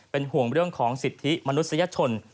เป็นห่วงเรื่องของสิทธิมนุษยชน